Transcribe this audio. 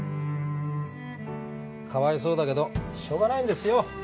かわいそうだけどしょうがないんですよ。